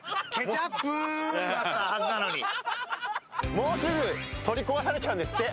もうすぐ、取り壊されちゃうんですって。